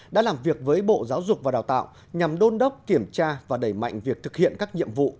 đã làm việc với bộ giáo dục và đào tạo nhằm đôn đốc kiểm tra và đẩy mạnh việc thực hiện các nhiệm vụ